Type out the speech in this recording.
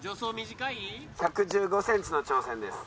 １１５センチの挑戦です。